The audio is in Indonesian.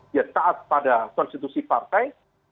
dia taat pada konstitusi partai